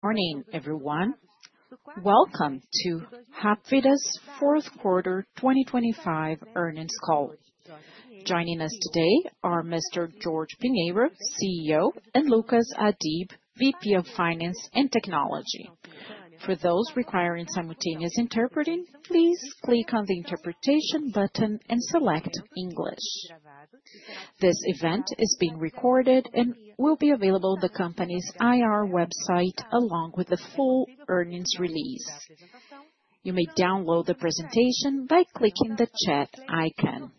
Morning, everyone. Welcome to Hapvida's Fourth Quarter 2025 Earnings Call. Joining us today are Mr. Jorge Pinheiro, CEO, and Luccas Adib, VP of Finance and Technology. For those requiring simultaneous interpreting, please click on the interpretation button and select English. This event is being recorded and will be available on the company's IR website along with the full earnings release. You may download the presentation by clicking the chat icon.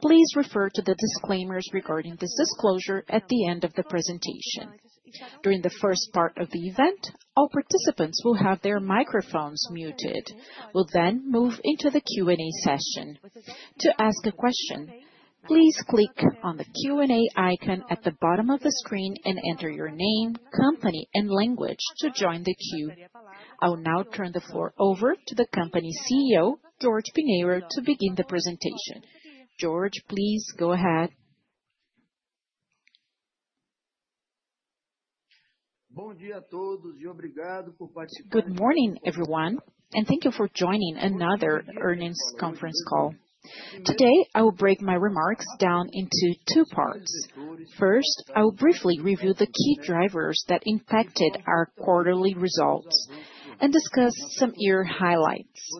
Please refer to the disclaimers regarding this disclosure at the end of the presentation. During the first part of the event, all participants will have their microphones muted. We'll then move into the Q&A session. To ask a question, please click on the Q&A icon at the bottom of the screen and enter your name, company, and language to join the queue. I will now turn the floor over to the company CEO, Jorge Pinheiro, to begin the presentation. George, please go ahead. Good morning everyone, and thank you for joining another earnings conference call. Today, I will break my remarks down into two parts. First, I will briefly review the key drivers that impacted our quarterly results and discuss some year highlights.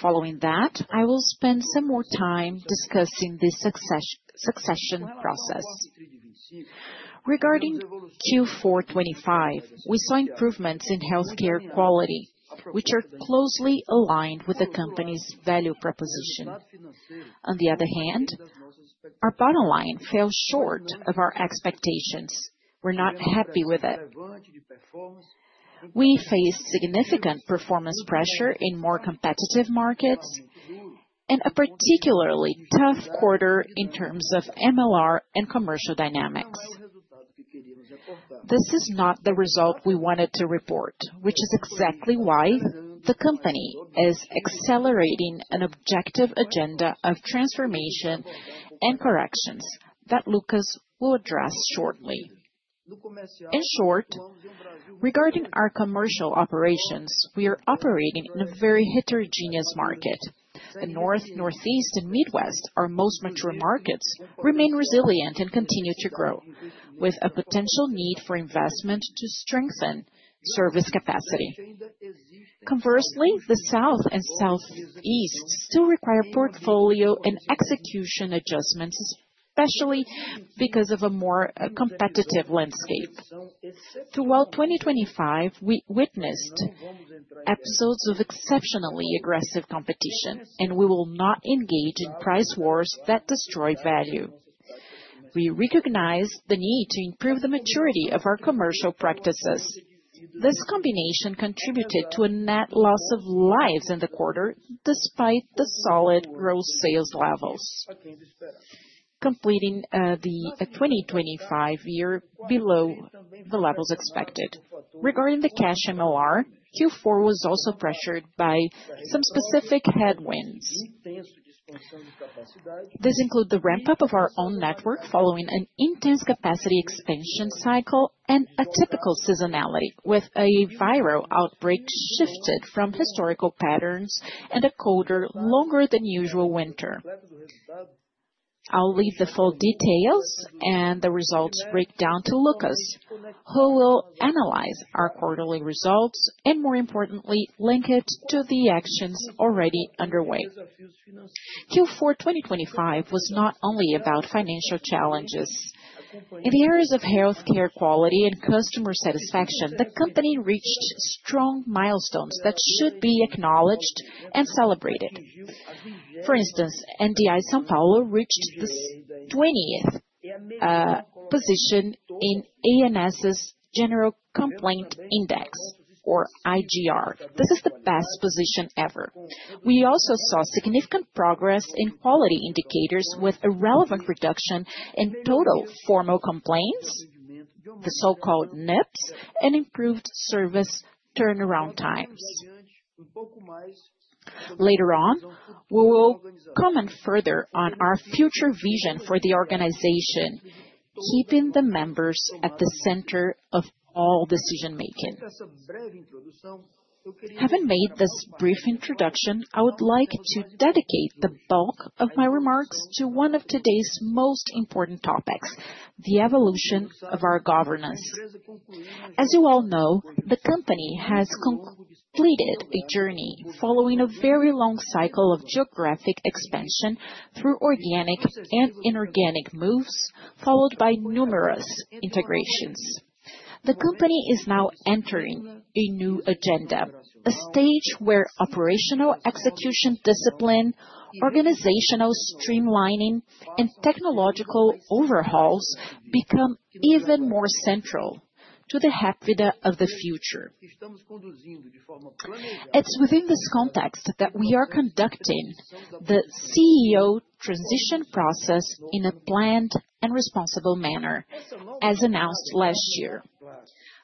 Following that, I will spend some more time discussing the succession process. Regarding Q4 2025, we saw improvements in healthcare quality, which are closely aligned with the company's value proposition. On the other hand, our bottom line fell short of our expectations. We're not happy with it. We faced significant performance pressure in more competitive markets and a particularly tough quarter in terms of MLR and commercial dynamics. This is not the result we wanted to report, which is exactly why the company is accelerating an objective agenda of transformation and corrections that Luccas will address shortly. In short, regarding our commercial operations, we are operating in a very heterogeneous market. The North, Northeast and Midwest, our most mature markets remain resilient and continue to grow with a potential need for investment to strengthen service capacity. Conversely, the South and Southeast still require portfolio and execution adjustments, especially because of a more competitive landscape. Throughout 2025, we witnessed episodes of exceptionally aggressive competition, and we will not engage in price wars that destroy value. We recognize the need to improve the maturity of our commercial practices. This combination contributed to a net loss of lives in the quarter, despite the solid growth sales levels completing the 2025 year below the levels expected. Regarding the cash MLR, Q4 was also pressured by some specific headwinds. These include the ramp-up of our own network following an intense capacity expansion cycle and a typical seasonality, with a viral outbreak shifted from historical patterns and a colder, longer than usual winter. I'll leave the full details and the results breakdown to Luccas, who will analyze our quarterly results and more importantly, link it to the actions already underway. Q4 2025 was not only about financial challenges. In the areas of healthcare quality and customer satisfaction, the company reached strong milestones that should be acknowledged and celebrated. For instance, NDI São Paulo reached the 20th position in ANS's General Complaint Index or IGR. This is the best position ever. We also saw significant progress in quality indicators with a relevant reduction in total formal complaints, the so-called NIPs, and improved service turnaround times. Later on, we will comment further on our future vision for the organization, keeping the members at the center of all decision-making. Having made this brief introduction, I would like to dedicate the bulk of my remarks to one of today's most important topics, the evolution of our governance. As you all know, the company has completed a journey following a very long cycle of geographic expansion through organic and inorganic moves, followed by numerous integrations. The company is now entering a new agenda, a stage where operational execution discipline, organizational streamlining and technological overhauls become even more central to the Hapvida of the future. It's within this context that we are conducting the CEO transition process in a planned and responsible manner, as announced last year.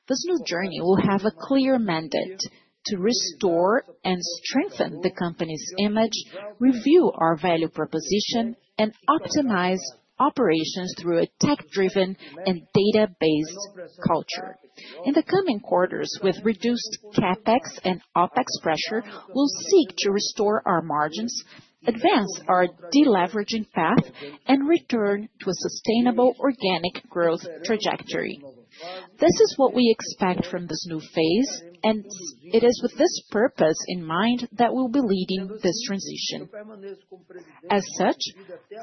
This new journey will have a clear mandate to restore and strengthen the company's image, review our value proposition, and optimize operations through a tech-driven and data-based culture. In the coming quarters with reduced CapEx and OpEx pressure, we'll seek to restore our margins, advance our deleveraging path, and return to a sustainable organic growth trajectory. This is what we expect from this new phase, and it is with this purpose in mind that we'll be leading this transition. As such,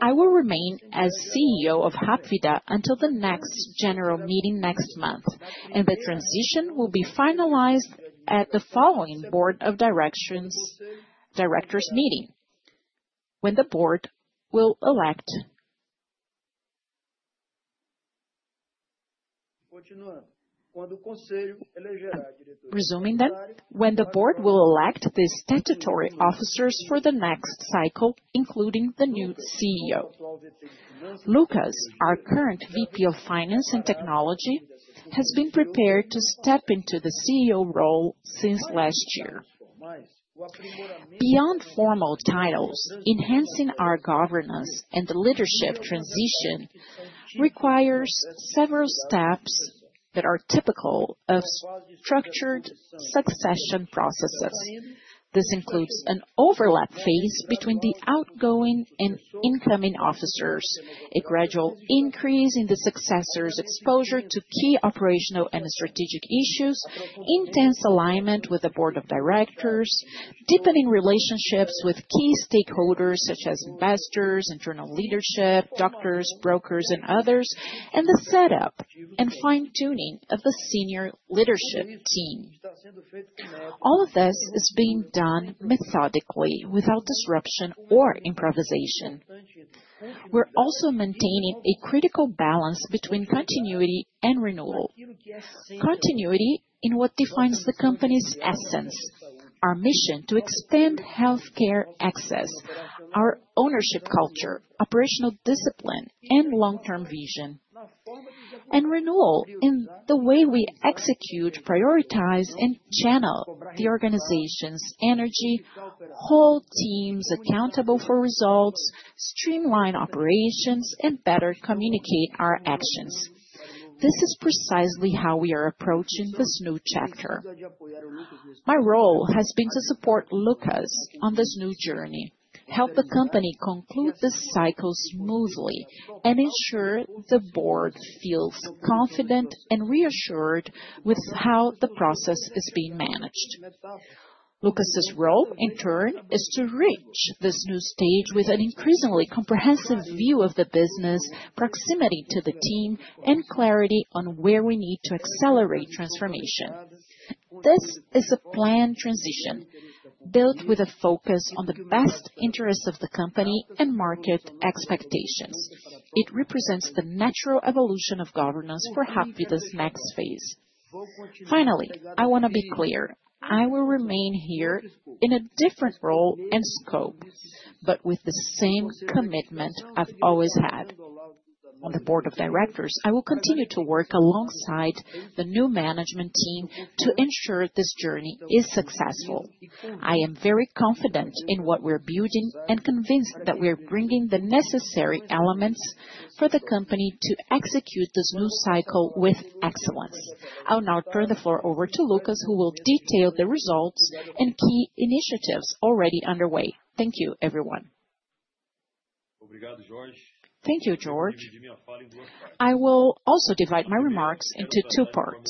I will remain as CEO of Hapvida until the next general meeting next month, and the transition will be finalized at the following board of directors meeting when the board will elect. Resuming, when the board will elect the statutory officers for the next cycle, including the new CEO. Luccas, our current VP of Finance and Technology, has been prepared to step into the CEO role since last year. Beyond formal titles, enhancing our governance and the leadership transition requires several steps that are typical of structured succession processes. This includes an overlap phase between the outgoing and incoming officers, a gradual increase in the successor's exposure to key operational and strategic issues, intense alignment with the board of directors, deepening relationships with key stakeholders such as investors, internal leadership, doctors, brokers and others, and the setup and fine-tuning of the senior leadership team. All of this is being done methodically without disruption or improvisation. We're also maintaining a critical balance between continuity and renewal. Continuity in what defines the company's essence, our mission to expand healthcare access, our ownership culture, operational discipline, and long-term vision. Renewal in the way we execute, prioritize, and channel the organization's energy, hold teams accountable for results, streamline operations, and better communicate our actions. This is precisely how we are approaching this new chapter. My role has been to support Luccas on this new journey, help the company conclude this cycle smoothly, and ensure the board feels confident and reassured with how the process is being managed. Luccas' role, in turn, is to reach this new stage with an increasingly comprehensive view of the business, proximity to the team, and clarity on where we need to accelerate transformation. This is a planned transition built with a focus on the best interests of the company and market expectations. It represents the natural evolution of governance for Hapvida's next phase. Finally, I wanna be clear, I will remain here in a different role and scope, but with the same commitment I've always had. On the board of directors, I will continue to work alongside the new management team to ensure this journey is successful. I am very confident in what we're building and convinced that we are bringing the necessary elements for the company to execute this new cycle with excellence. I'll now turn the floor over to Luccas, who will detail the results and key initiatives already underway. Thank you, everyone. Thank you, Jorge. I will also divide my remarks into two parts.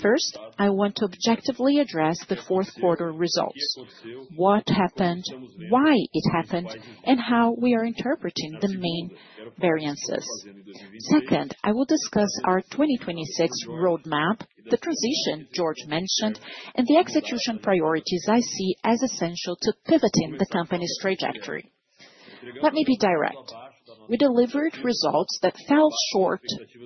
First, I want to objectively address the fourth quarter results. What happened, why it happened, and how we are interpreting the main variances. Second, I will discuss our 2026 roadmap, the transition Jorge mentioned, and the execution priorities I see as essential to pivoting the company's trajectory. Let me be direct. We delivered results that fell short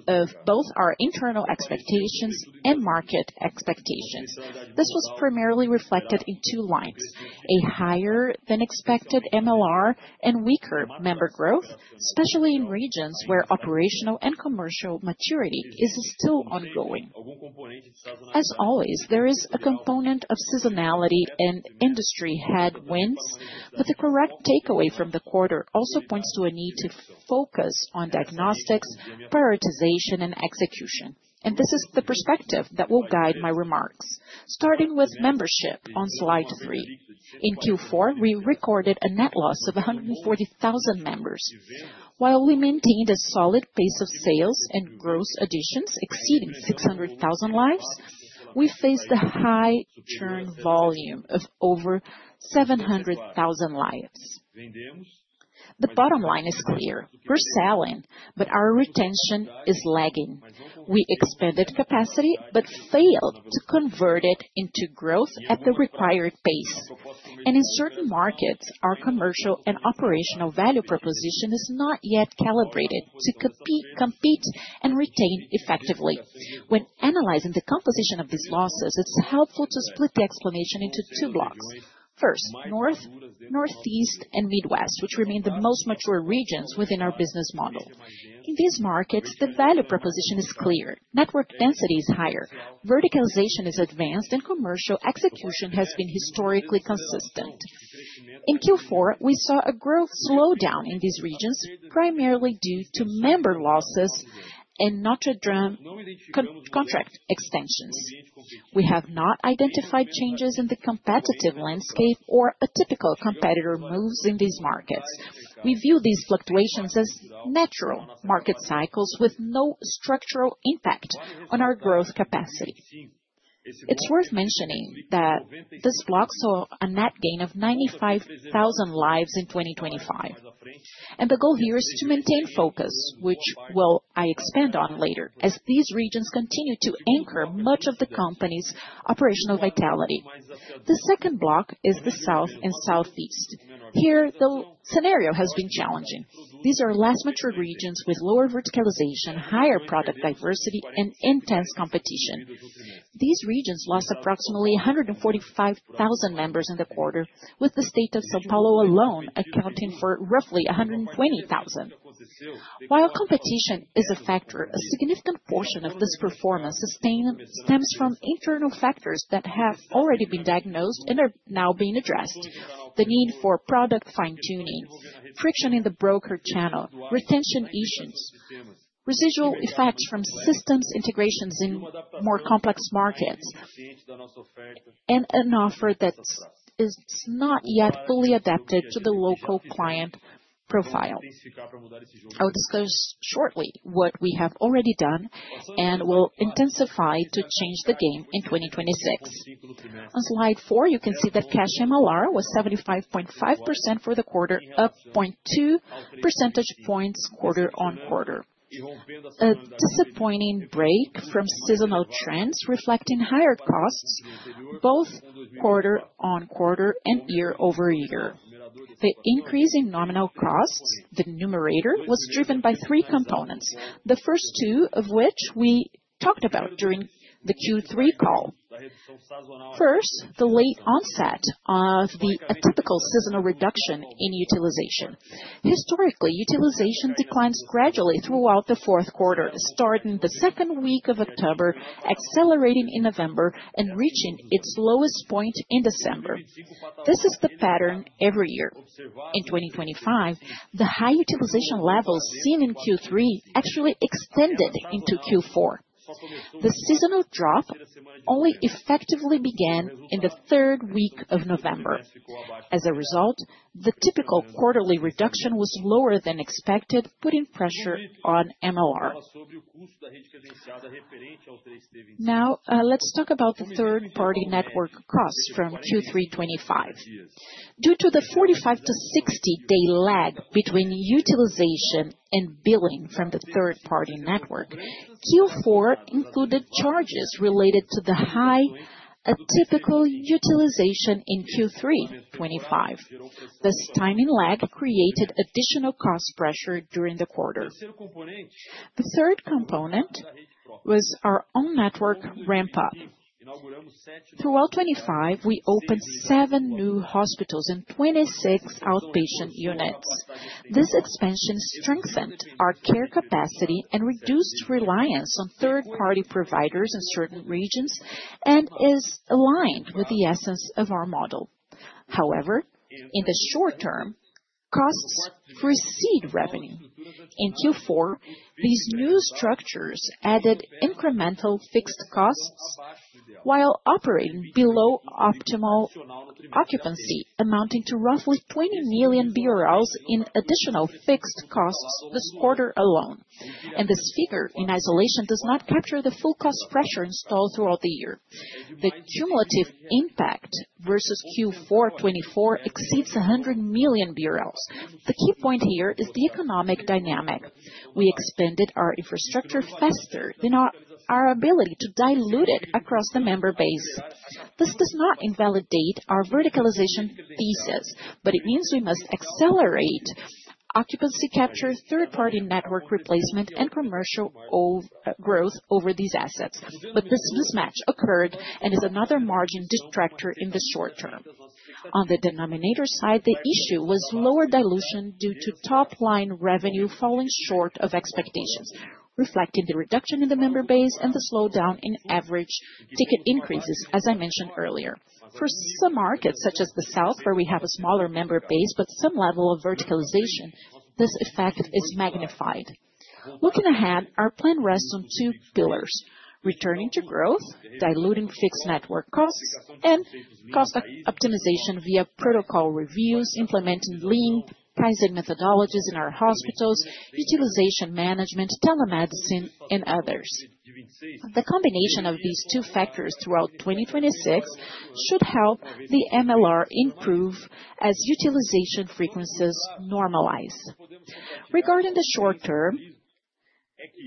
of both our internal expectations and market expectations. This was primarily reflected in two lines: a higher than expected MLR and weaker member growth, especially in regions where operational and commercial maturity is still ongoing. As always, there is a component of seasonality and industry headwinds, but the correct takeaway from the quarter also points to a need to focus on diagnostics, prioritization and execution. This is the perspective that will guide my remarks. Starting with membership on slide three. In Q4, we recorded a net loss of 140,000 members. While we maintained a solid pace of sales and gross additions exceeding 600,000 lives, we faced a high churn volume of over 700,000 lives. The bottom line is clear. We're selling, but our retention is lagging. We expanded capacity, but failed to convert it into growth at the required pace. In certain markets, our commercial and operational value proposition is not yet calibrated to compete and retain effectively. When analyzing the composition of these losses, it's helpful to split the explanation into two blocks. First, North, Northeast, and Midwest, which remain the most mature regions within our business model. In these markets, the value proposition is clear. Network density is higher, verticalization is advanced, and commercial execution has been historically consistent. In Q4, we saw a growth slowdown in these regions, primarily due to member losses and not to contract extensions. We have not identified changes in the competitive landscape or atypical competitor moves in these markets. We view these fluctuations as natural market cycles with no structural impact on our growth capacity. It's worth mentioning that this block saw a net gain of 95,000 lives in 2025, and the goal here is to maintain focus, which I expand on later as these regions continue to anchor much of the company's operational vitality. The second block is the South and Southeast. Here, the scenario has been challenging. These are less mature regions with lower verticalization, higher product diversity, and intense competition. These regions lost approximately 145,000 members in the quarter, with the state of São Paulo alone accounting for roughly 120,000. While competition is a factor, a significant portion of this performance stems from internal factors that have already been diagnosed and are now being addressed. The need for product fine-tuning, friction in the broker channel, retention issues, residual effects from systems integrations in more complex markets, and an offer that is not yet fully adapted to the local client profile. I'll discuss shortly what we have already done and will intensify to change the game in 2026. On slide four, you can see that cash MLR was 75.5% for the quarter, up 0.2 percentage points quarter-on-quarter. A disappointing break from seasonal trends reflecting higher costs both quarter-on-quarter and year-over-year. The increase in nominal costs, the numerator, was driven by three components, the first two of which we talked about during the Q3 call. First, the late onset of the atypical seasonal reduction in utilization. Historically, utilization declines gradually throughout the fourth quarter, starting the second week of October, accelerating in November, and reaching its lowest point in December. This is the pattern every year. In 2025, the high utilization levels seen in Q3 actually extended into Q4. The seasonal drop only effectively began in the third week of November. As a result, the typical quarterly reduction was lower than expected, putting pressure on MLR. Now, let's talk about the third-party network costs from Q3 2025. Due to the 45-60-day lag between utilization and billing from the third-party network, Q4 included charges related to the high atypical utilization in Q3 2025. This timing lag created additional cost pressure during the quarter. The third component was our own network ramp-up. Throughout 2025, we opened seven new hospitals and 26 outpatient units. This expansion strengthened our care capacity and reduced reliance on third-party providers in certain regions and is aligned with the essence of our model. However, in the short term, costs precede revenue. In Q4, these new structures added incremental fixed costs while operating below optimal occupancy, amounting to roughly 20 million BRL in additional fixed costs this quarter alone. This figure in isolation does not capture the full cost pressure installed throughout the year. The cumulative impact versus Q4 2024 exceeds 100 million BRL. The key point here is the economic dynamic. We expanded our infrastructure faster than our ability to dilute it across the member base. This does not invalidate our verticalization thesis, but it means we must accelerate occupancy capture, third-party network replacement, and commercial growth over these assets. This mismatch occurred and is another margin distractor in the short term. On the denominator side, the issue was lower dilution due to top-line revenue falling short of expectations, reflecting the reduction in the member base and the slowdown in average ticket increases, as I mentioned earlier. For some markets, such as the South, where we have a smaller member base but some level of verticalization, this effect is magnified. Looking ahead, our plan rests on two pillars, returning to growth, diluting fixed network costs, and cost optimization via protocol reviews, implementing lean pricing methodologies in our hospitals, utilization management, telemedicine, and others. The combination of these two factors throughout 2026 should help the MLR improve as utilization frequencies normalize. Regarding the short term.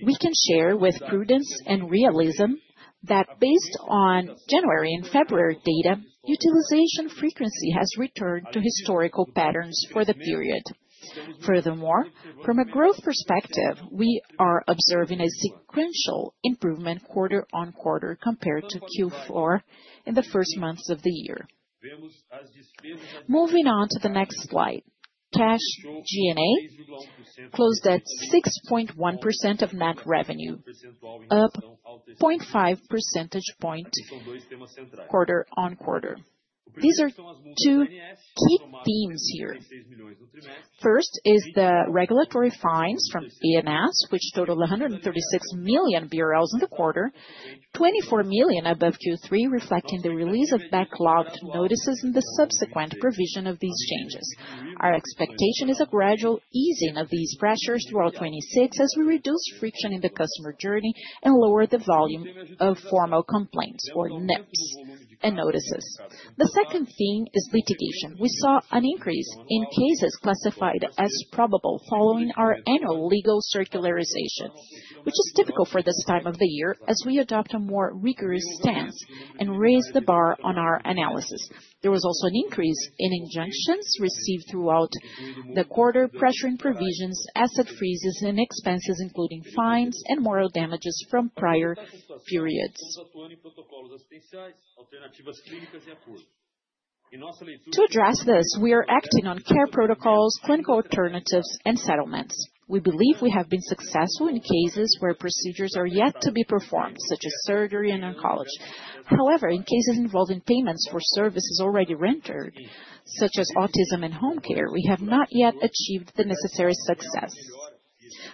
We can share with prudence and realism that based on January and February data, utilization frequency has returned to historical patterns for the period. Furthermore, from a growth perspective, we are observing a sequential improvement quarter-over-quarter compared to Q4 in the first months of the year. Moving on to the next slide. Cash G&A closed at 6.1% of net revenue, up 0.5 percentage point quarter-on-quarter. These are two key themes here. First is the regulatory fines from ANS, which totaled 136 million BRL in the quarter, 24 million above Q3 reflecting the release of backlogged notices and the subsequent provision of these changes. Our expectation is a gradual easing of these pressures throughout 2026 as we reduce friction in the customer journey and lower the volume of formal complaints or NIPs and notices. The second theme is litigation. We saw an increase in cases classified as probable following our annual legal circularization, which is typical for this time of the year as we adopt a more rigorous stance and raise the bar on our analysis. There was also an increase in injunctions received throughout the quarter, pressuring provisions, asset freezes and expenses, including fines and moral damages from prior periods. To address this, we are acting on care protocols, clinical alternatives and settlements. We believe we have been successful in cases where procedures are yet to be performed, such as surgery and oncology. However, in cases involving payments for services already rendered, such as autism and home care, we have not yet achieved the necessary success.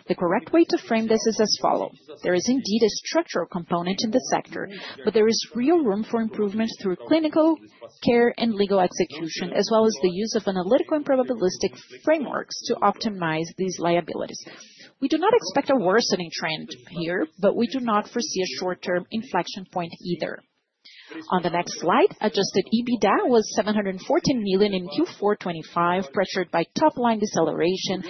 The correct way to frame this is as follows. There is indeed a structural component in the sector, but there is real room for improvement through clinical care and legal execution, as well as the use of analytical and probabilistic frameworks to optimize these liabilities. We do not expect a worsening trend here, but we do not foresee a short-term inflection point either. On the next slide, adjusted EBITDA was 714 million in Q4 2025, pressured by top-line deceleration,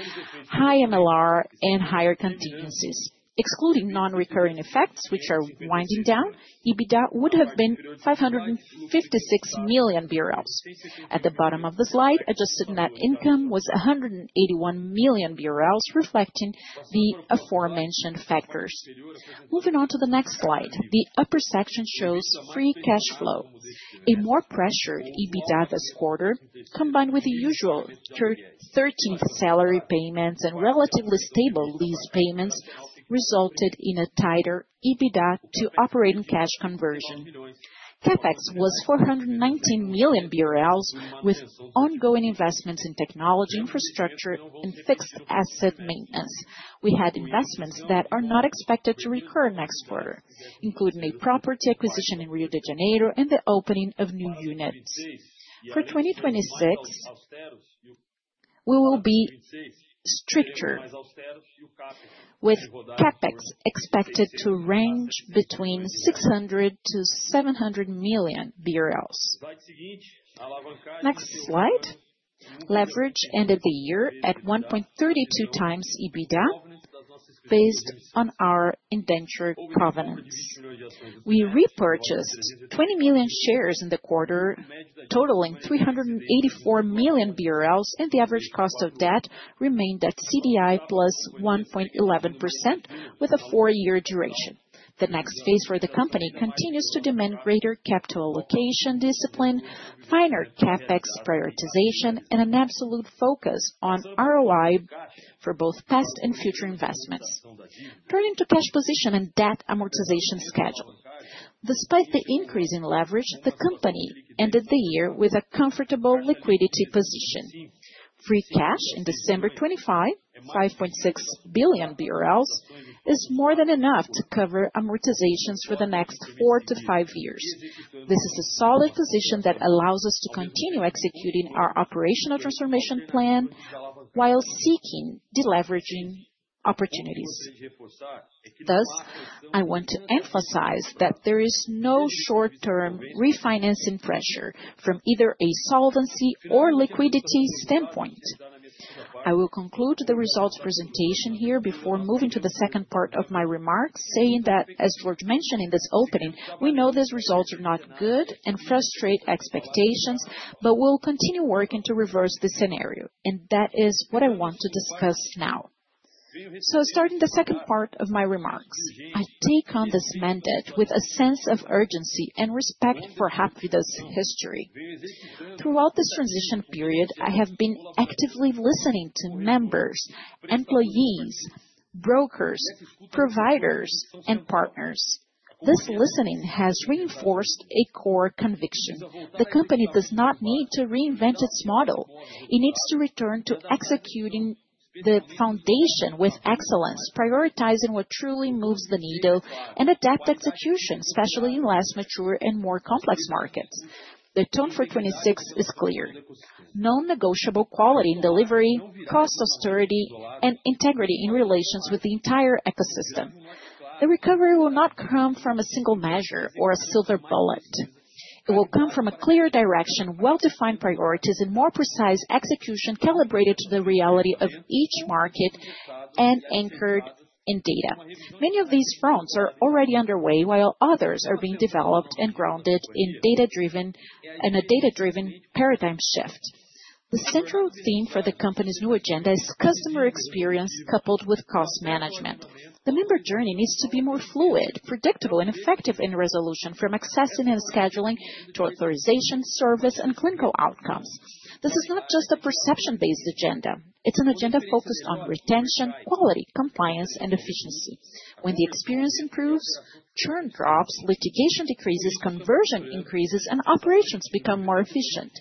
high MLR and higher contingencies. Excluding non-recurring effects, which are winding down, EBITDA would have been 556 million BRL. At the bottom of the slide, adjusted net income was 181 million BRL, reflecting the aforementioned factors. Moving on to the next slide, the upper section shows free cash flow. A more pressured EBITDA this quarter, combined with the usual 13th salary payments and relatively stable lease payments, resulted in a tighter EBITDA to operating cash conversion. CapEx was 419 million BRL, with ongoing investments in technology infrastructure and fixed asset maintenance. We had investments that are not expected to recur next quarter, including a property acquisition in Rio de Janeiro and the opening of new units. For 2026, we will be stricter, with CapEx expected to range between 600 million-700 million BRL. Next slide. Leverage ended the year at 1.32x EBITDA based on our indentured covenants. We repurchased 20 million shares in the quarter, totaling 384 million BRL, and the average cost of debt remained at CDI plus 1.11% with a four-year duration. The next phase for the company continues to demand greater capital allocation discipline, finer CapEx prioritization, and an absolute focus on ROI for both past and future investments. Turning to cash position and debt amortization schedule. Despite the increase in leverage, the company ended the year with a comfortable liquidity position. Free cash in December 25, 5.6 billion BRL, is more than enough to cover amortizations for the next four to five years. This is a solid position that allows us to continue executing our operational transformation plan while seeking deleveraging opportunities. Thus, I want to emphasize that there is no short-term refinancing pressure from either a solvency or liquidity standpoint. I will conclude the results presentation here before moving to the second part of my remarks, saying that as Jorge mentioned in this opening, we know these results are not good and frustrate expectations, but we'll continue working to reverse this scenario. That is what I want to discuss now. Starting the second part of my remarks, I take on this mandate with a sense of urgency and respect for Hapvida's history. Throughout this transition period, I have been actively listening to members, employees, brokers, providers, and partners. This listening has reinforced a core conviction. The company does not need to reinvent its model. It needs to return to executing the foundation with excellence, prioritizing what truly moves the needle and adapt execution, especially in less mature and more complex markets. The tone for 2026 is clear. Non-negotiable quality in delivery, cost austerity, and integrity in relations with the entire ecosystem. The recovery will not come from a single measure or a silver bullet. It will come from a clear direction, well-defined priorities, and more precise execution calibrated to the reality of each market and anchored in data. Many of these fronts are already underway, while others are being developed and grounded in a data-driven paradigm shift. The central theme for the company's new agenda is customer experience coupled with cost management. The member journey needs to be more fluid, predictable, and effective in resolution from accessing and scheduling to authorization, service, and clinical outcomes. This is not just a perception-based agenda. It's an agenda focused on retention, quality, compliance, and efficiency. When the experience improves, churn drops, litigation decreases, conversion increases, and operations become more efficient.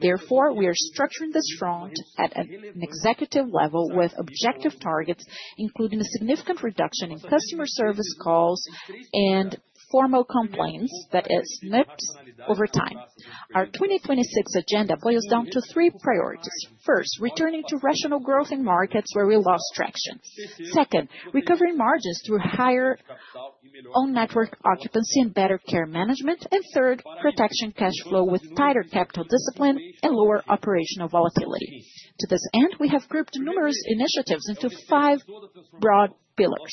Therefore, we are structuring this front at an executive level with objective targets, including a significant reduction in customer service calls and formal complaints that is NIPs over time. Our 2026 agenda boils down to three priorities. First, returning to rational growth in markets where we lost traction. Second, recovering margins through higher own network occupancy and better care management. And third, protecting cash flow with tighter capital discipline and lower operational volatility. To this end, we have grouped numerous initiatives into five broad pillars.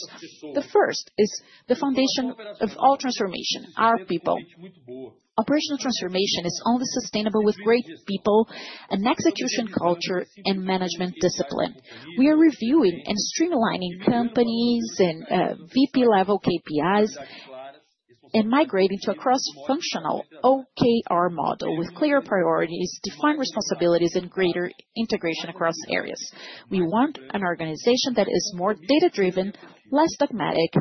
The first is the foundation of all transformation, our people. Operational transformation is only sustainable with great people and execution culture and management discipline. We are reviewing and streamlining companies and VP-level KPIs and migrating to a cross-functional OKR model with clear priorities, defined responsibilities, and greater integration across areas. We want an organization that is more data-driven, less dogmatic,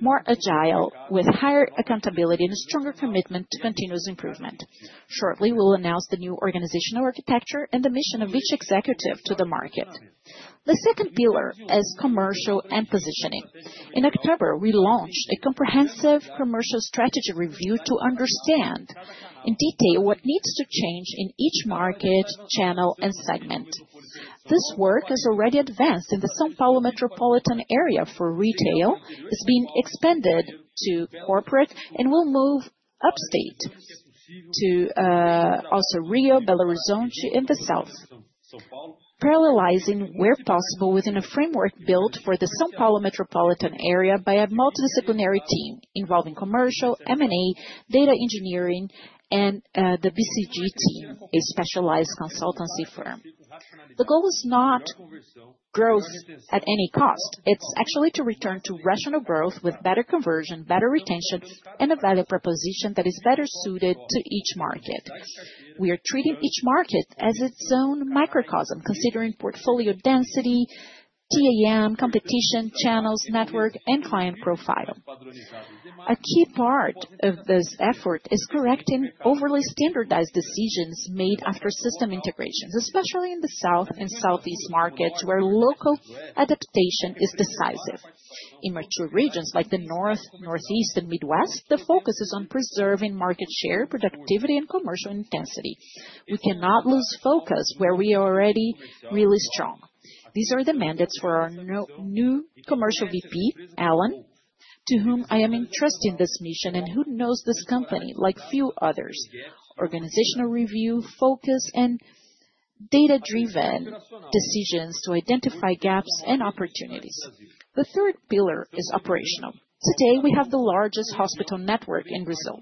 more agile, with higher accountability and a stronger commitment to continuous improvement. Shortly, we'll announce the new organizational architecture and the mission of each executive to the market. The second pillar is commercial and positioning. In October, we launched a comprehensive commercial strategy review to understand in detail what needs to change in each market, channel, and segment. This work is already advanced in the São Paulo metropolitan area for retail. It's being expanded to corporate and will move upstate to also Rio, Belo Horizonte, and the South. Parallelizing where possible within a framework built for the São Paulo metropolitan area by a multidisciplinary team involving commercial, M&A, data engineering, and the BCG team, a specialized consultancy firm. The goal is not growth at any cost. It's actually to return to rational growth with better conversion, better retention, and a value proposition that is better suited to each market. We are treating each market as its own microcosm, considering portfolio density, TAM, competition, channels, network, and client profile. A key part of this effort is correcting overly standardized decisions made after system integrations, especially in the South and Southeast markets where local adaptation is decisive. In mature regions like the North, Northeast, and Midwest, the focus is on preserving market share, productivity, and commercial intensity. We cannot lose focus where we are already really strong. These are the mandates for our new commercial VP, Alain, to whom I am entrusting this mission and who knows this company like few others. Organizational review, focus, and data-driven decisions to identify gaps and opportunities. The third pillar is operational. Today, we have the largest hospital network in Brazil.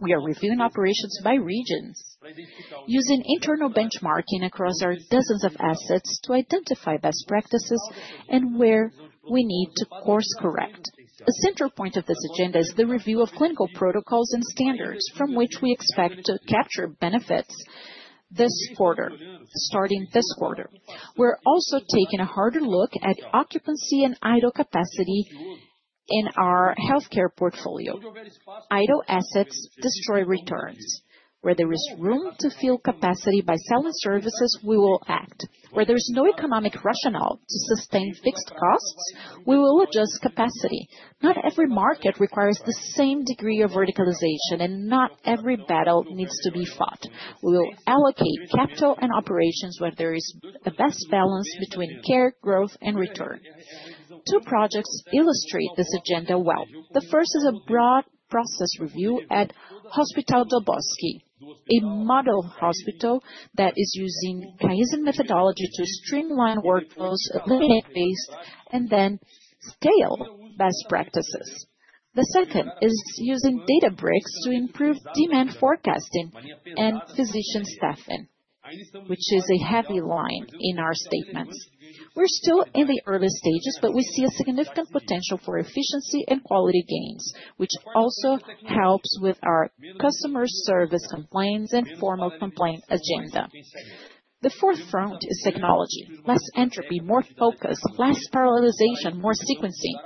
We are reviewing operations by regions using internal benchmarking across our dozens of assets to identify best practices and where we need to course correct. A central point of this agenda is the review of clinical protocols and standards from which we expect to capture benefits this quarter, starting this quarter. We're also taking a harder look at occupancy and idle capacity in our healthcare portfolio. Idle assets destroy returns. Where there is room to fill capacity by selling services, we will act. Where there's no economic rationale to sustain fixed costs, we will adjust capacity. Not every market requires the same degree of verticalization, and not every battle needs to be fought. We will allocate capital and operations where there is the best balance between care, growth, and return. Two projects illustrate this agenda well. The first is a broad process review at Hospital da Bosque, a model hospital that is using methodology to streamline workflows and then scale best practices. The second is using Databricks to improve demand forecasting and physician staffing, which is a heavy line in our statements. We're still in the early stages, but we see a significant potential for efficiency and quality gains, which also helps with our customer service complaints and formal complaints agenda. The fourth front is technology. Less entropy, more focus, less parallelization, more sequencing.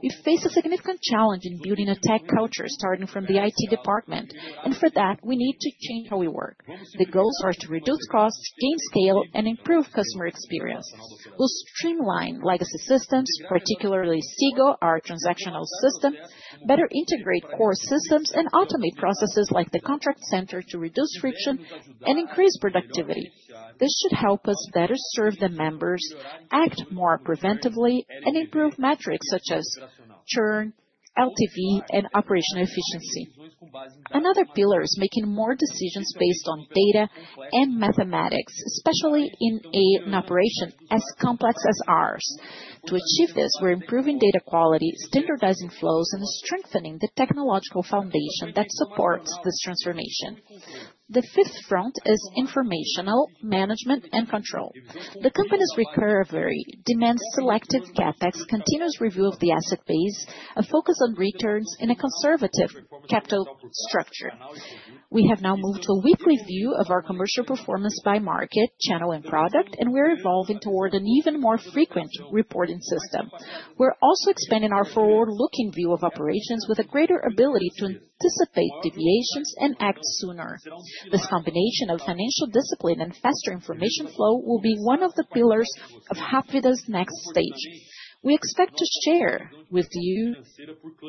We face a significant challenge in building a tech culture starting from the IT department, and for that, we need to change how we work. The goals are to reduce costs, gain scale, and improve customer experience. We'll streamline legacy systems, particularly Sigo, our transactional system, better integrate core systems, and automate processes like the contract center to reduce friction and increase productivity. This should help us better serve the members, act more preventively, and improve metrics such as churn, LTV, and operational efficiency. Another pillar is making more decisions based on data and mathematics, especially in an operation as complex as ours. To achieve this, we're improving data quality, standardizing flows, and strengthening the technological foundation that supports this transformation. The fifth front is informational management and control. The company's recovery demands selective CapEx, continuous review of the asset base, a focus on returns in a conservative capital structure. We have now moved to a weekly view of our commercial performance by market, channel, and product, and we're evolving toward an even more frequent reporting system. We're also expanding our forward-looking view of operations with a greater ability to anticipate deviations and act sooner. This combination of financial discipline and faster information flow will be one of the pillars of Hapvida's next stage. We expect to share with you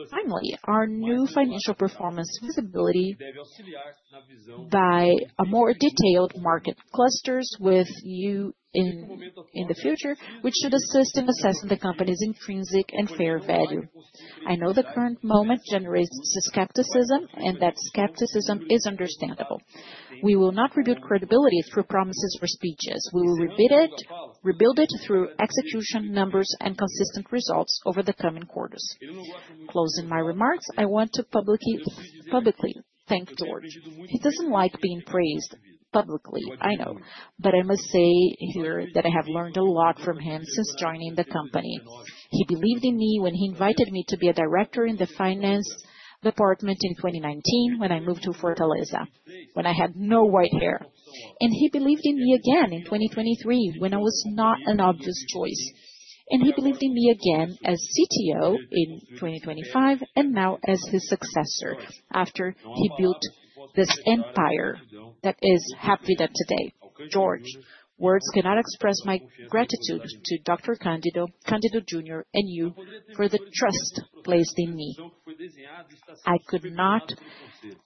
finally our new financial performance visibility by a more detailed market clusters with you in the future, which should assist in assessing the company's intrinsic and fair value. I know the current moment generates skepticism, and that skepticism is understandable. We will not rebuild credibility through promises or speeches. We will rebuild it through execution numbers and consistent results over the coming quarters. Closing my remarks, I want to publicly thank Jorge. He doesn't like being praised publicly, I know, but I must say here that I have learned a lot from him since joining the company. He believed in me when he invited me to be a director in the finance department in 2019 when I moved to Fortaleza, when I had no white hair, and he believed in me again in 2023 when I was not an obvious choice. He believed in me again as CTO in 2025, and now as his successor after he built this empire that is Hapvida today. Jorge, words cannot express my gratitude to Dr. Candido Junior, and you for the trust placed in me. I could not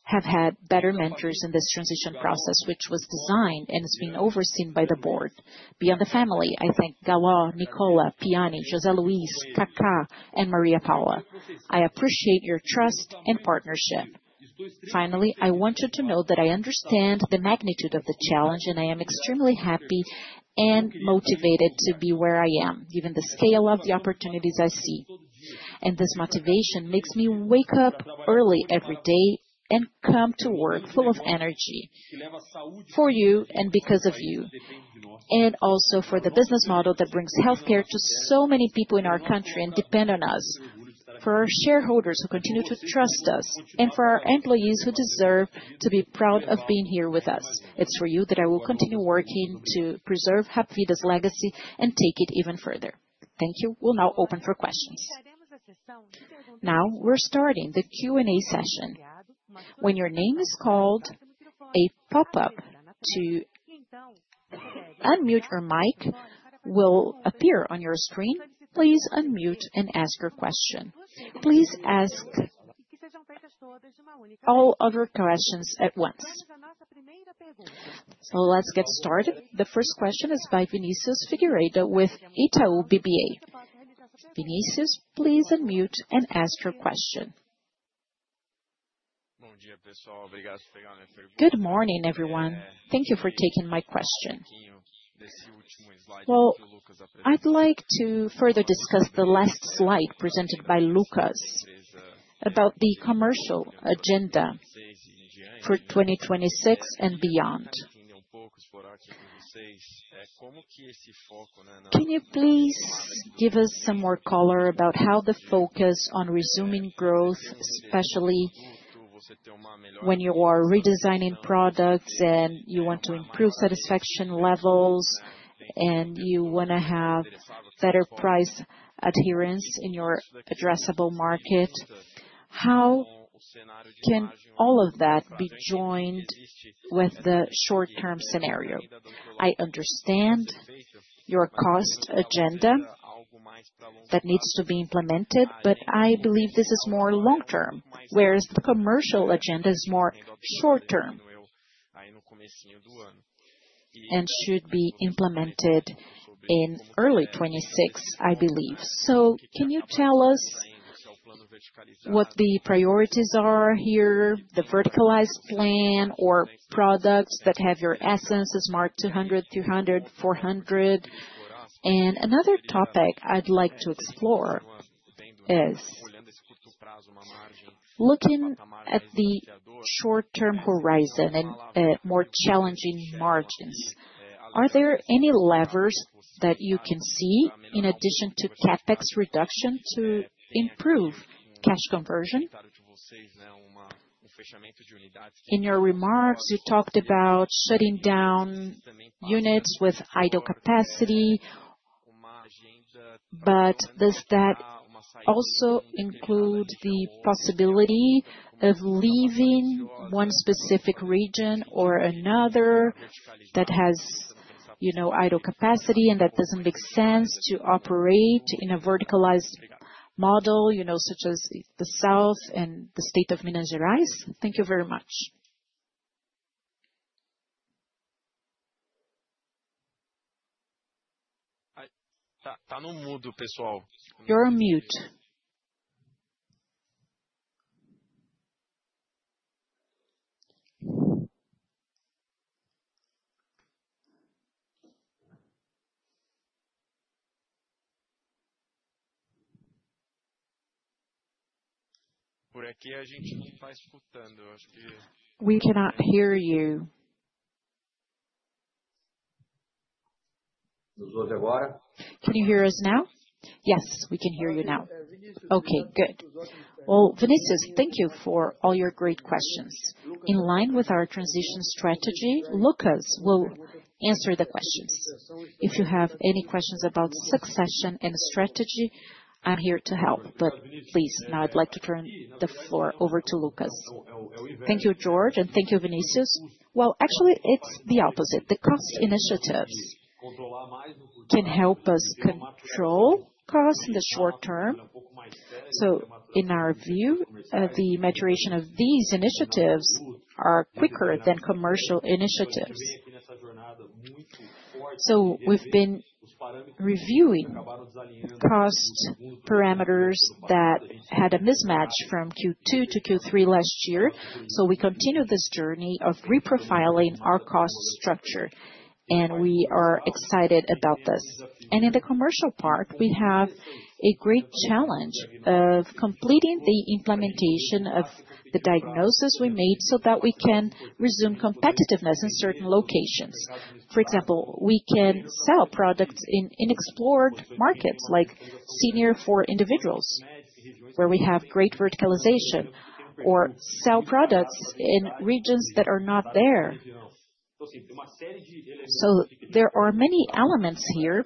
have had better mentors in this transition process, which was designed and is being overseen by the board. Beyond the family, I thank Galo, Nicola, Piane, José Luis, Kaká, and Maria Paula. I appreciate your trust and partnership. Finally, I want you to know that I understand the magnitude of the challenge, and I am extremely happy and motivated to be where I am, given the scale of the opportunities I see. This motivation makes me wake up early every day and come to work full of energy for you and because of you, and also for the business model that brings healthcare to so many people in our country and depend on us, for our shareholders who continue to trust us, and for our employees who deserve to be proud of being here with us. It's for you that I will continue working to preserve Hapvida's legacy and take it even further. Thank you. We'll now open for questions. Now we're starting the Q&A session. When your name is called, a pop-up to unmute your mic will appear on your screen. Please unmute and ask your question. Please ask all of your questions at once. Let's get started. The first question is by Vinicius Figueiredo with Itaú BBA. Vinicius, please unmute and ask your question. Good morning, everyone. Thank you for taking my question. Well, I'd like to further discuss the last slide presented by Luccas about the commercial agenda for 2026 and beyond. Can you please give us some more color about how the focus on resuming growth, especially when you are redesigning products and you want to improve satisfaction levels, and you wanna have better price adherence in your addressable market? How can all of that be joined with the short-term scenario? I understand your cost agenda that needs to be implemented, but I believe this is more long-term, whereas the commercial agenda is more short-term and should be implemented in early 2026, I believe. Can you tell us what the priorities are here, the verticalized plan or products that have your Smart 200, 300, 400? Another topic I'd like to explore is looking at the short-term horizon and more challenging margins. Are there any levers that you can see in addition to CapEx reduction to improve cash conversion? In your remarks, you talked about shutting down units with idle capacity. Does that also include the possibility of leaving one specific region or another that has, you know, idle capacity and that doesn't make sense to operate in a verticalized model, you know, such as the South and the state of Minas Gerais? Thank you very much. Tá mudo, pessoal. You're on mute. Por aqui a gente não tá escutando. We cannot hear you. Nos ouve agora? Can you hear us now? Yes, we can hear you now. Okay, good. Well, Vinicius, thank you for all your great questions. In line with our transition strategy, Luccas will answer the questions. If you have any questions about succession and strategy, I'm here to help. Please, now I'd like to turn the floor over to Luccas. Thank you, Jorge, and thank you, Vinicius. Well, actually, it's the opposite. The cost initiatives can help us control costs in the short term. In our view, the maturation of these initiatives are quicker than commercial initiatives. We've been reviewing cost parameters that had a mismatch from Q2 to Q3 last year. We continue this journey of reprofiling our cost structure, and we are excited about this. In the commercial part, we have a great challenge of completing the implementation of the diagnosis we made so that we can resume competitiveness in certain locations. For example, we can sell products in unexplored markets like Senior for individuals, where we have great verticalization, or sell products in regions that are not there. There are many elements here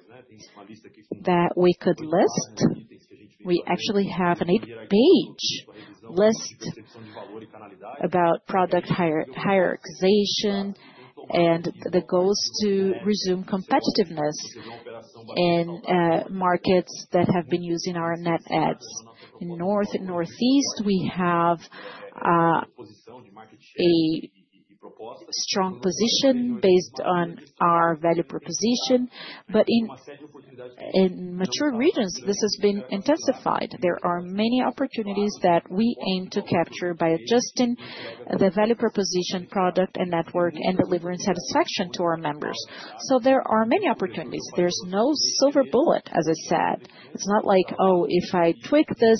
that we could list. We actually have an eight-page list about product hierarchization and the goals to resume competitiveness in markets that have been using our net adds. In North and Northeast, we have a strong position based on our value proposition. But in mature regions, this has been intensified. There are many opportunities that we aim to capture by adjusting the value proposition, product and network and delivering satisfaction to our members. There are many opportunities. There's no silver bullet, as I said. It's not like, "Oh, if I tweak this,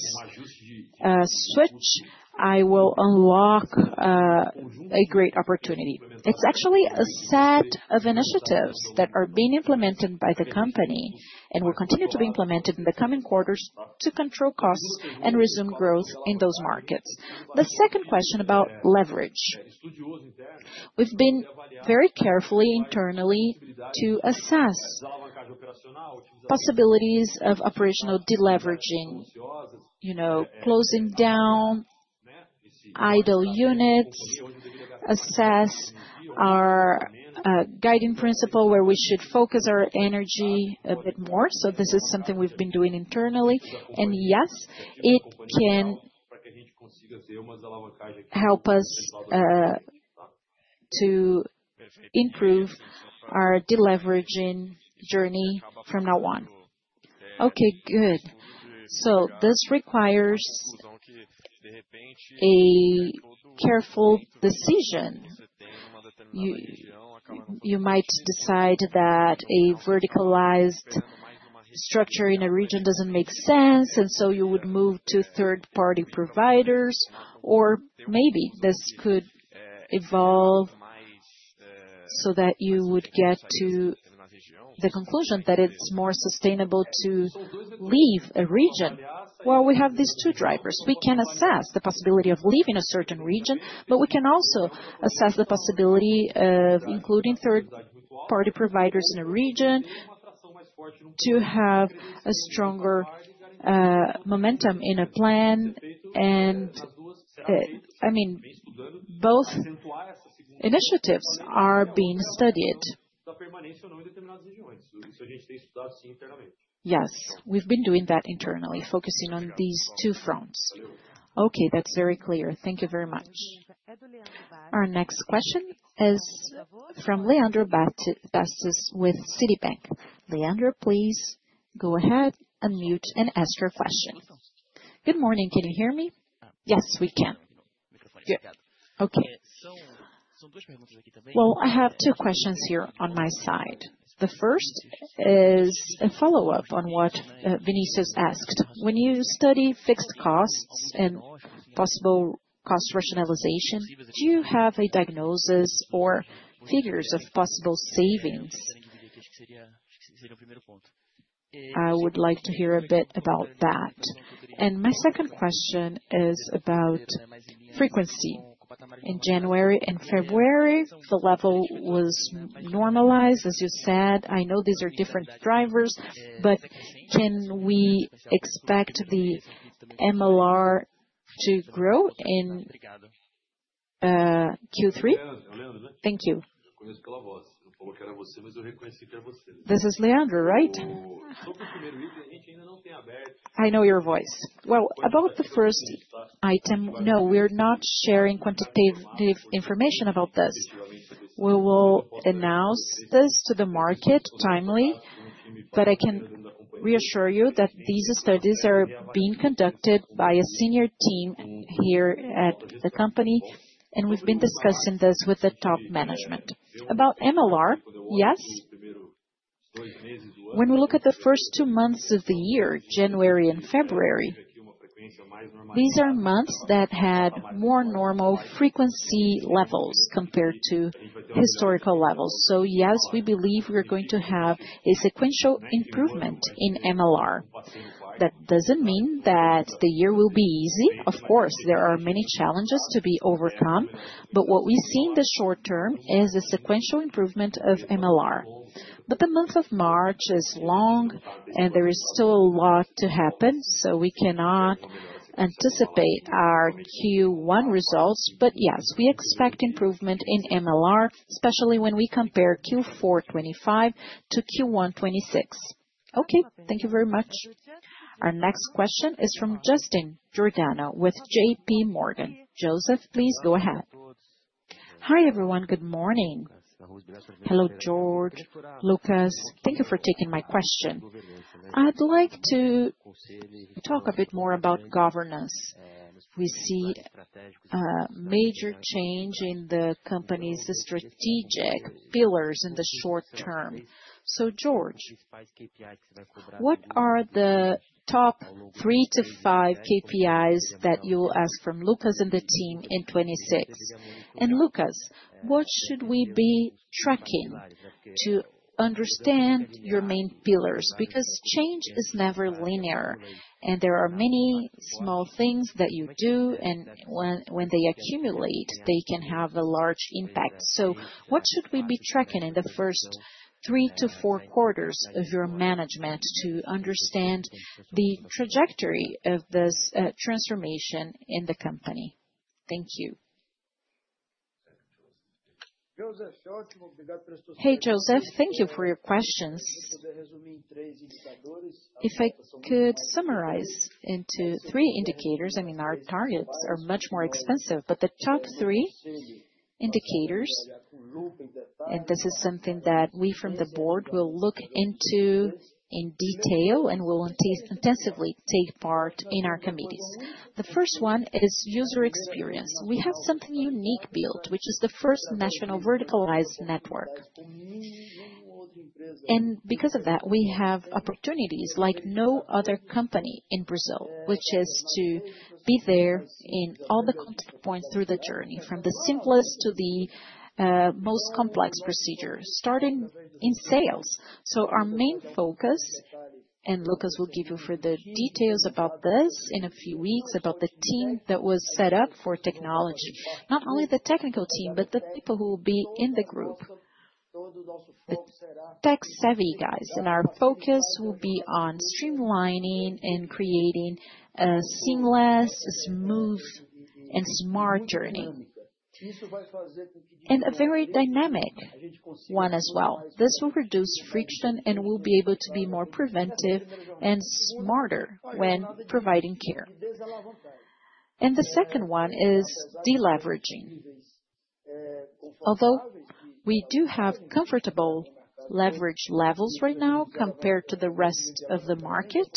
switch, I will unlock, a great opportunity." It's actually a set of initiatives that are being implemented by the company and will continue to be implemented in the coming quarters to control costs and resume growth in those markets. The second question about leverage. We've been very carefully internally to assess possibilities of operational deleveraging. You know, closing down idle units, assess our, guiding principle where we should focus our energy a bit more. This is something we've been doing internally. Yes, it can help us, to improve our deleveraging journey from now on. Okay, good. This requires a careful decision. You might decide that a verticalized structure in a region doesn't make sense, and so you would move to third-party providers, or maybe this could evolve so that you would get to the conclusion that it's more sustainable to leave a region. Well, we have these two drivers. We can assess the possibility of leaving a certain region, but we can also assess the possibility of including third-party providers in a region to have a stronger momentum in a plan. I mean, both initiatives are being studied. Yes. We've been doing that internally, focusing on these two fronts. Okay. That's very clear. Thank you very much. Our next question is from Leandro Bastos with Citibank. Leandro, please go ahead, unmute and ask your question. Good morning. Can you hear me? Yes, we can. Yeah. Okay. Well, I have two questions here on my side. The first is a follow-up on what Vinicius asked. When you study fixed costs and possible cost rationalization, do you have a diagnosis or figures of possible savings? I would like to hear a bit about that. My second question is about frequency. In January and February, the level was normalized, as you said. I know these are different drivers, but can we expect the MLR to grow in Q3? Thank you. This is Leandro, right? I know your voice. Well, about the first item. No, we're not sharing quantitative information about this. We will announce this to the market timely, but I can reassure you that these studies are being conducted by a senior team here at the company, and we've been discussing this with the top management. About MLR? Yes. When we look at the first two months of the year, January and February, these are months that had more normal frequency levels compared to historical levels. Yes, we believe we are going to have a sequential improvement in MLR. That doesn't mean that the year will be easy. Of course, there are many challenges to be overcome, but what we see in the short term is a sequential improvement of MLR. The month of March is long and there is still a lot to happen, so we cannot anticipate our Q1 results. Yes, we expect improvement in MLR, especially when we compare Q4 2025 to Q1 2026. Okay, thank you very much. Our next question is from Joseph Giordano with JP Morgan. Joseph, please go ahead. Hi, everyone. Good morning. Hello, Jorge, Luccas. Thank you for taking my question. I'd like to talk a bit more about governance. We see a major change in the company's strategic pillars in the short term. Jorge, what are the top three to five KPIs that you'll ask from Luccas and the team in 2026? Luccas, what should we be tracking to understand your main pillars? Because change is never linear, and there are many small things that you do, and when they accumulate, they can have a large impact. What should we be tracking in the first three to four quarters of your management to understand the trajectory of this transformation in the company? Thank you. Hey, Joseph. Thank you for your questions. If I could summarize into three indicators, I mean, our targets are much more expensive, but the top three indicators, and this is something that we from the board will look into in detail and will intensively take part in our committees. The first one is user experience. We have something unique built, which is the first national verticalized network. Because of that, we have opportunities like no other company in Brazil, which is to be there in all the contact points through the journey, from the simplest to the most complex procedure, starting in sales. Our main focus, and Luccas will give you further details about this in a few weeks, about the team that was set up for technology. Not only the technical team, but the people who will be in the group. The tech-savvy guys. Our focus will be on streamlining and creating a seamless, smooth and smart journey. A very dynamic one as well. This will reduce friction, and we'll be able to be more preventive and smarter when providing care. The second one is deleveraging. Although we do have comfortable leverage levels right now compared to the rest of the market.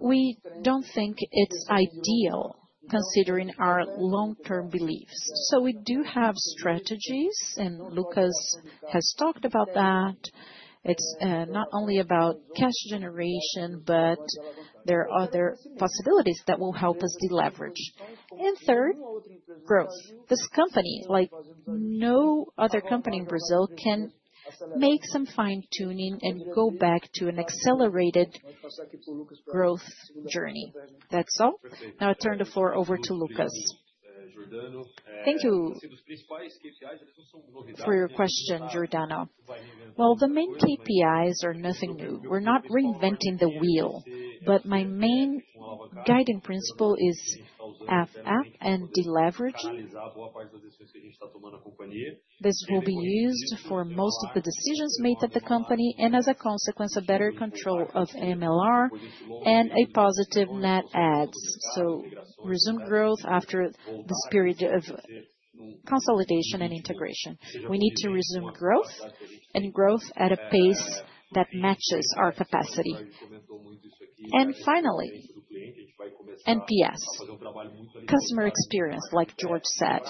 We don't think it's ideal considering our long-term beliefs. We do have strategies, and Luccas has talked about that. It's not only about cash generation, but there are other possibilities that will help us deleverage. Third, growth. This company, like no other company in Brazil, can make some fine-tuning and go back to an accelerated growth journey. That's all. Now I turn the floor over to Luccas. Thank you for your question, Giordano. Well, the main KPIs are nothing new. We're not reinventing the wheel, but my main guiding principle is FF and deleveraging. This will be used for most of the decisions made at the company, and as a consequence, a better control of MLR and a positive net adds. Resume growth after this period of consolidation and integration. We need to resume growth and growth at a pace that matches our capacity. Finally, NPS. Customer experience, like Jorge said.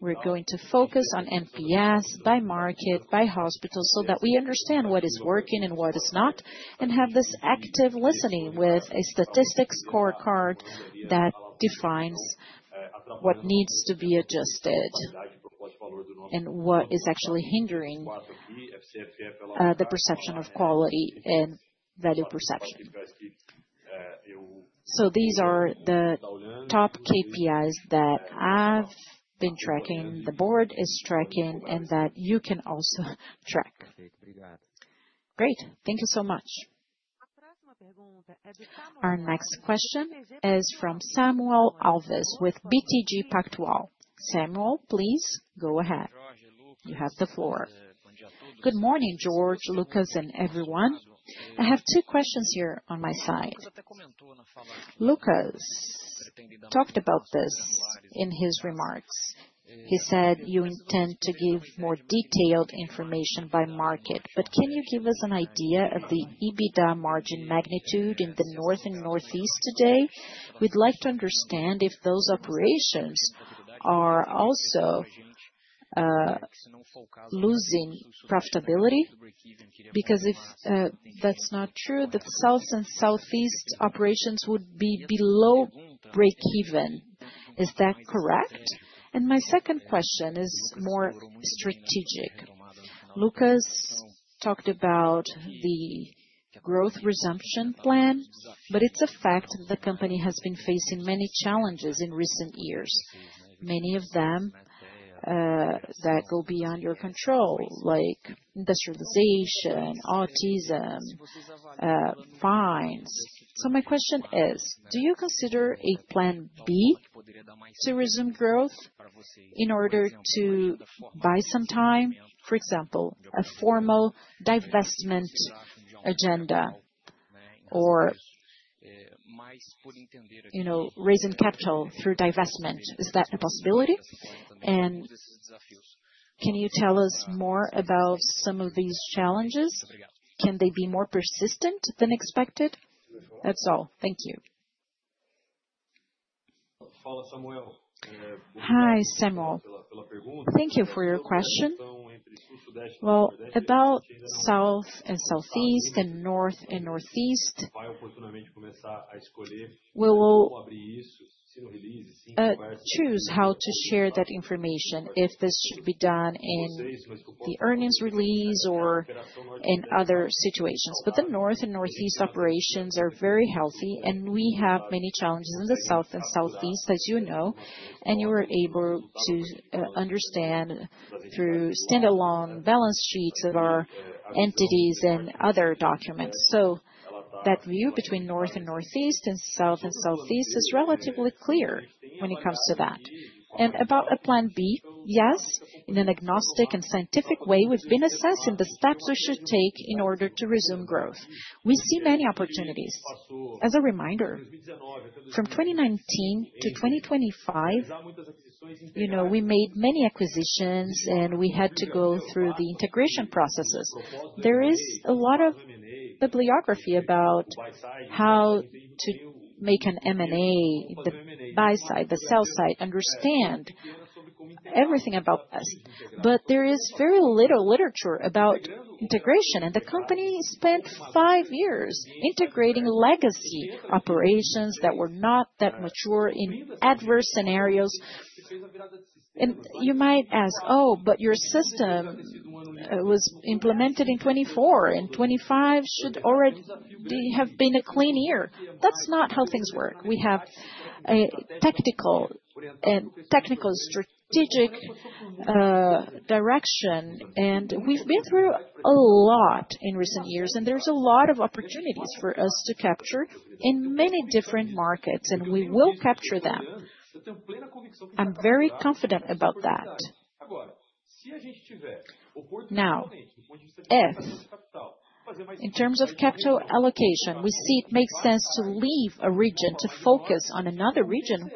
We're going to focus on NPS by market, by hospital, so that we understand what is working and what is not, and have this active listening with a statistics scorecard that defines what needs to be adjusted and what is actually hindering the perception of quality and value perception. These are the top KPIs that I've been tracking, the board is tracking, and that you can also track. Great. Thank you so much. Our next question is from Samuel Alves with BTG Pactual. Samuel, please go ahead. You have the floor. Good morning, Jorge, Luccas, and everyone. I have two questions here on my side. Luccas talked about this in his remarks. He said you intend to give more detailed information by market, but can you give us an idea of the EBITDA margin magnitude in the North and Northeast today? We'd like to understand if those operations are also losing profitability. Because if that's not true, the South and Southeast operations would be below breakeven. Is that correct? My second question is more strategic. Luccas talked about the growth resumption plan, but it's a fact the company has been facing many challenges in recent years, many of them that go beyond your control, like industrialization, autism, fines. My question is, do you consider a plan B to resume growth in order to buy some time? For example, a formal divestment agenda or, you know, raising capital through divestment, is that a possibility? And can you tell us more about some of these challenges? Can they be more persistent than expected? That's all. Thank you. Hi, Samuel. Thank you for your question. Well, about South and Southeast and North and Northeast. We will choose how to share that information, if this should be done in the earnings release or in other situations. But the North and Northeast operations are very healthy, and we have many challenges in the South and Southeast, as you know, and you were able to understand through standalone balance sheets of our entities and other documents. That view between North and Northeast and South and Southeast is relatively clear when it comes to that. About a plan B, yes, in an agnostic and scientific way, we've been assessing the steps we should take in order to resume growth. We see many opportunities. As a reminder, from 2019 to 2025, you know, we made many acquisitions, and we had to go through the integration processes. There is a lot of bibliography about how to make an M&A, the buy side, the sell side, understand everything about this. There is very little literature about integration, and the company spent five years integrating legacy operations that were not that mature in adverse scenarios. You might ask, "Oh, but your system was implemented in 2024, and 2025 should already have been a clean year." That's not how things work. We have a tactical and technical strategic direction, and we've been through a lot in recent years, and there's a lot of opportunities for us to capture in many different markets, and we will capture them. I'm very confident about that. Now, if in terms of capital allocation, we see it makes sense to leave a region to focus on another region,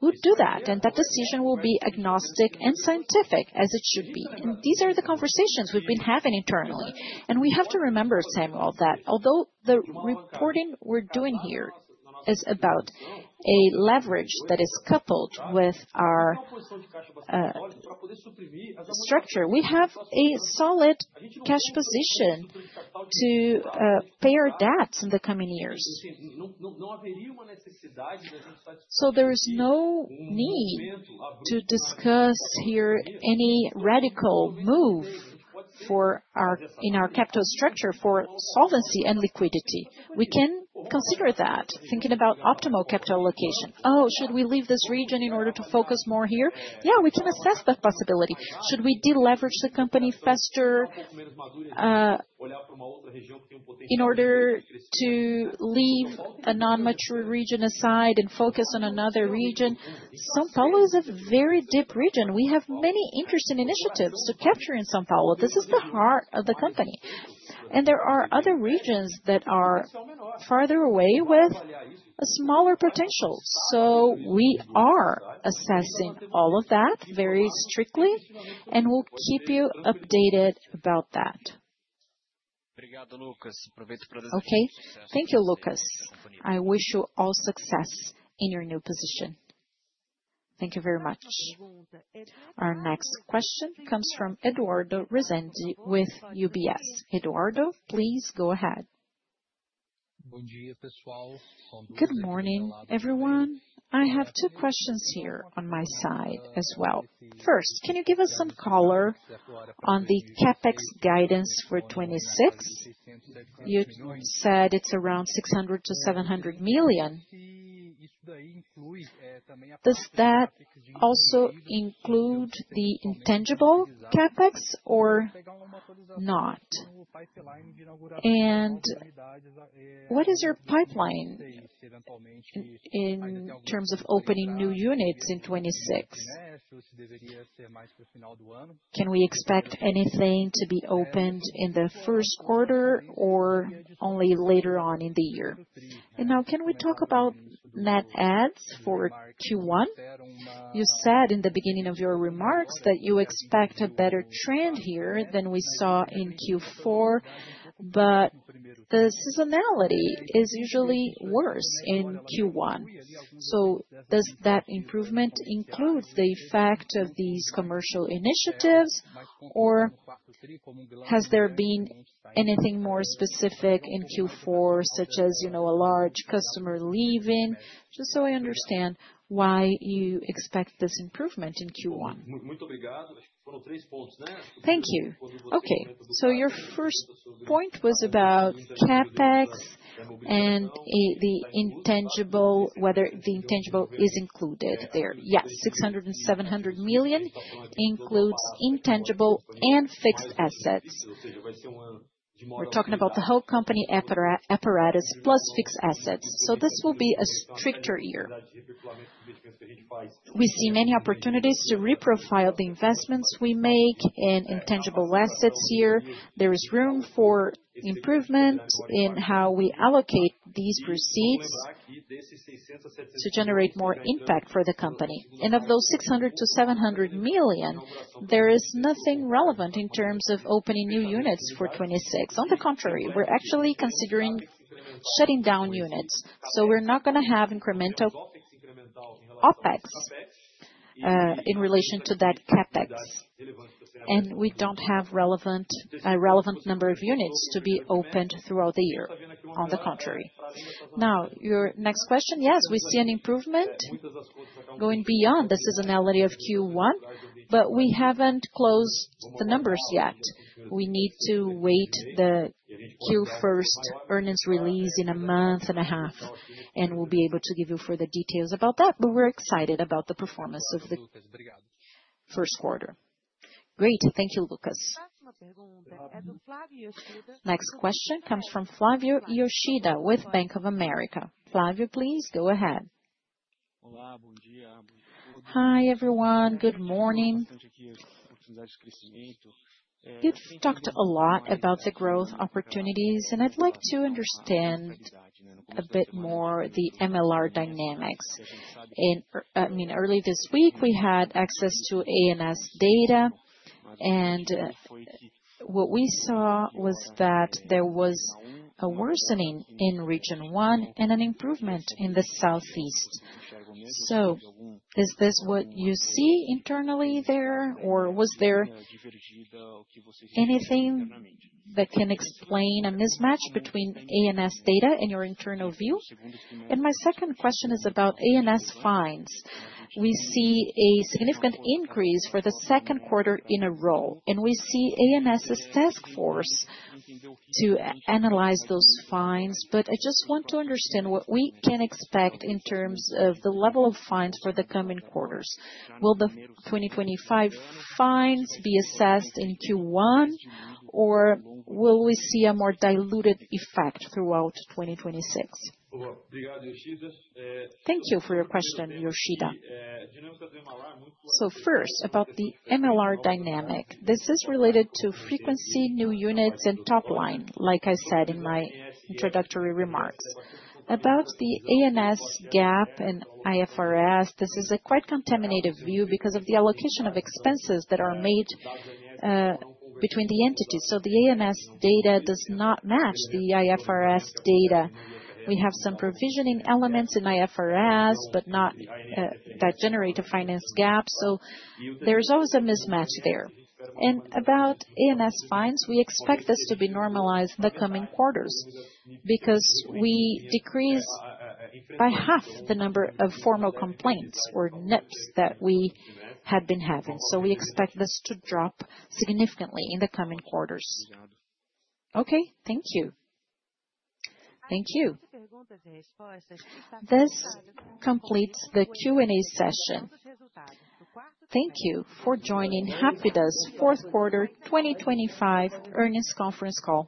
we'll do that, and that decision will be agnostic and scientific, as it should be. These are the conversations we've been having internally. We have to remember, Samuel, that although the reporting we're doing here is about a leverage that is coupled with our structure, we have a solid cash position to pay our debts in the coming years. There is no need to discuss here any radical move in our capital structure for solvency and liquidity. We can consider that, thinking about optimal capital allocation. Oh, should we leave this region in order to focus more here? Yeah, we can assess that possibility. Should we deleverage the company faster, in order to leave a non-mature region aside and focus on another region? São Paulo is a very deep region. We have many interesting initiatives to capture in São Paulo. This is the heart of the company. There are other regions that are farther away with a smaller potential. We are assessing all of that very strictly, and we'll keep you updated about that. Okay. Thank you, Lucas. I wish you all success in your new position. Thank you very much. Our next question comes from Eduardo Resende with UBS. Eduardo, please go ahead. Good morning, everyone. I have two questions here on my side as well. First, can you give us some color on the CapEx guidance for 2026? You said it's around 600 million-700 million. Does that also include the intangible CapEx or not? What is your pipeline in terms of opening new units in 2026? Can we expect anything to be opened in the first quarter or only later on in the year? Now can we talk about net adds for Q1? You said in the beginning of your remarks that you expect a better trend here than we saw in Q4, but the seasonality is usually worse in Q1. Does that improvement includes the effect of these commercial initiatives, or has there been anything more specific in Q4 such as, you know, a large customer leaving? Just so I understand why you expect this improvement in Q1. Thank you. Okay. Your first point was about CapEx and the intangible, whether the intangible is included there. Yes, 600 million-700 million includes intangible and fixed assets. We're talking about the whole company apparatus plus fixed assets. This will be a stricter year. We see many opportunities to reprofile the investments we make in intangible assets here. There is room for improvement in how we allocate these receipts to generate more impact for the company. Of those 600 million-700 million, there is nothing relevant in terms of opening new units for 2026. On the contrary, we're actually considering shutting down units. We're not gonna have incremental OpEx in relation to that CapEx. We don't have a relevant number of units to be opened throughout the year. On the contrary. Now, your next question. Yes, we see an improvement going beyond the seasonality of Q1, but we haven't closed the numbers yet. We need to wait the Q1 earnings release in a month and a half, and we'll be able to give you further details about that. We're excited about the performance of the first quarter. Great. Thank you, Luccas. Next question comes from Flavio Yoshida with Bank of America. Flavio, please go ahead. Hi, everyone. Good morning. You've talked a lot about the growth opportunities, and I'd like to understand a bit more the MLR dynamics. Early this week, we had access to ANS data, and what we saw was that there was a worsening in region one and an improvement in the Southeast. So is this what you see internally there, or was there anything that can explain a mismatch between ANS data and your internal view? My second question is about ANS fines. We see a significant increase for the second quarter in a row, and we see ANS' task force to analyze those fines. I just want to understand what we can expect in terms of the level of fines for the coming quarters. Will the 2025 fines be assessed in Q1, or will we see a more diluted effect throughout 2026? Thank you for your question, Yoshida. First, about the MLR dynamic. This is related to frequency, new units and top line, like I said in my introductory remarks. About the ANS gap and IFRS, this is a quite contaminated view because of the allocation of expenses that are made between the entities. The ANS data does not match the IFRS data. We have some provisioning elements in IFRS, but not that generate a finance gap. There's always a mismatch there. About ANS fines, we expect this to be normalized in the coming quarters because we decrease by half the number of formal complaints or NIPs that we had been having. We expect this to drop significantly in the coming quarters. Okay. Thank you. Thank you. This completes the Q&A session. Thank you for joining Hapvida's fourth quarter 2025 earnings conference call.